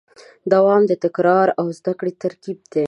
دوام د تکرار او زدهکړې ترکیب دی.